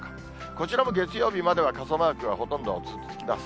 こちらも月曜日までは傘マークがほとんどつきます。